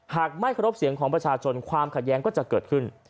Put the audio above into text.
ไม่เคารพเสียงของประชาชนความขัดแย้งก็จะเกิดขึ้น